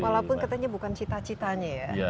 walaupun katanya bukan cita citanya ya